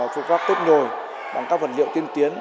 phương pháp kết nhồi bằng các vật liệu tiên tiến